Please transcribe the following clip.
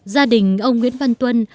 gia đình ông nguyễn văn tuân